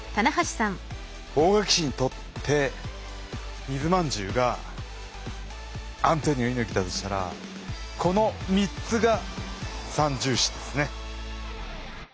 大垣市にとって水まんじゅうがアントニオ猪木だとしたらこの３つが三銃士ですね！